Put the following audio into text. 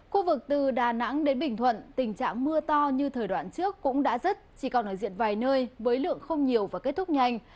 khu vực từ đà nẵng đến bình thuận tình trạng mưa to như thời đoạn trước cũng đã rứt chỉ còn ở diện vài nơi với lượng không nhiều và kết thúc nhanh